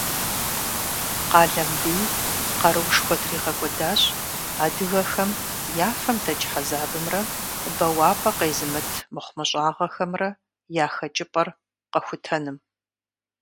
Къалэмбий къаруушхуэ тригъэкӀуэдащ адыгэхэм я фэм дэкӀ хьэзабымрэ бэуапӀэ къезымыт мыхъумыщӀагъэхэмрэ я хэкӀыпӀэр къэхутэным.